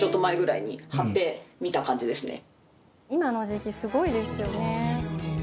「今の時期すごいですよね」